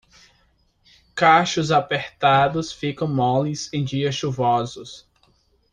Cachos apertados ficam moles em dias chuvosos.